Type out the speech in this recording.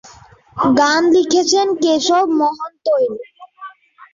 গান লিখেছেন কেশব মহন্তইল।